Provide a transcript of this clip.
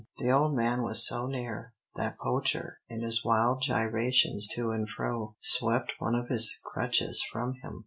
The old man was so near, that Poacher, in his wild gyrations to and fro, swept one of his crutches from him.